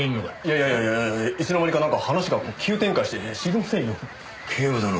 いつの間にかなんか話が急展開して知りませんよ。